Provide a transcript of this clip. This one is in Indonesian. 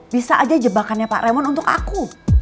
bisa aja jebakannya pak remon untuk aku